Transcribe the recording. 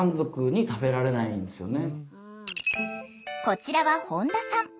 こちらは本田さん。